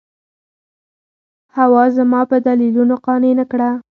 حوا زما په دلیلونو قانع نه کړه.